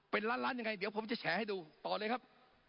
เป็นล้านล้านยังไงเดี๋ยวผมจะแฉให้ดูต่อเลยครับ